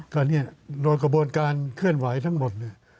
กระบวนการเคลื่อนไหวทั้งหมด